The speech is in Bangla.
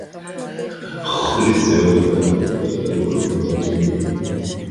ভগবানের ইচ্ছায় ভারতে আমাদের দ্বারা বড় বড় কার্য সম্পন্ন হইবে।